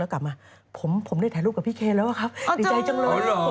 แล้วถ่ายรูปได้ดีใจยิ่งกว่า